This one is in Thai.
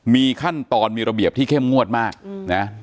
มีขั้นตอนมีระเบียบที่เข้มงวดมากนะ